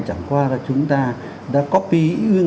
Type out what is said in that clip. chẳng qua là chúng ta đã copy